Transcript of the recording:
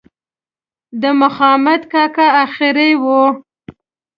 د مخامد کاکا آخري وه.